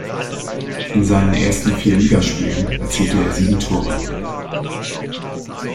In seinen ersten vier Ligaspielen erzielte er sieben Tore.